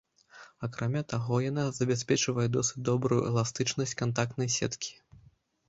Акрамя таго, яна забяспечвае досыць добрую эластычнасць кантактнай сеткі.